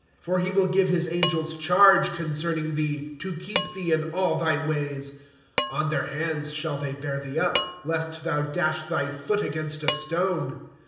" For he will give his angels charge concerning thee, To keep thee in all thy ways. '2 On their hands shall they bear thee up. Lest thou dash thy foot against a stone.